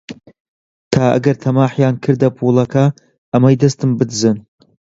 تا ئەگەر تەماحیان کردە پووڵەکە، ئەمەی دەستم بدزن